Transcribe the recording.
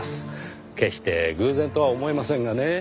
決して偶然とは思えませんがね。